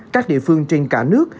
các địa phương trên cả nước